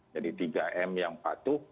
jadi tiga m yang patuh